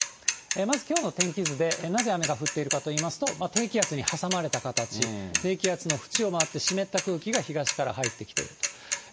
まずきょうの天気図で、なぜ雨が降っているかといいますと、低気圧に挟まれた形、低気圧の縁を回って、湿った空気が東から入ってきていると。